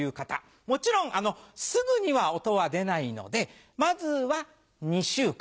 もちろんすぐには音は出ないのでまずは２週間。